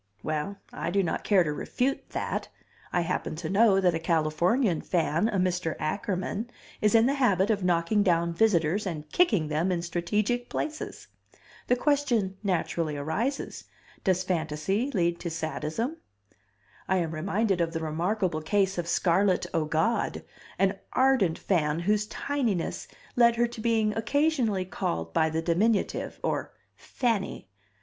Well, I do not care to refute that; I happen to know that a Californian fan, a Mr. Ackerman, is in the habit of knocking down visitors and kicking them in strategic places. The question naturally arises, does fantasy lead to sadism? I am reminded of the remarkable case of Scarlett O'God, an ardent fan whose tininess led to her being occasionally called by the diminutive, or fanny.